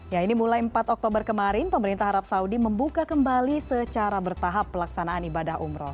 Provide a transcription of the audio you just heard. ya ini mulai empat oktober kemarin pemerintah arab saudi membuka kembali secara bertahap pelaksanaan ibadah umroh